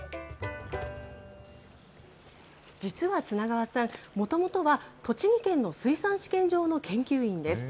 実は綱川さん、もともとは栃木県の水産試験場の研究員です。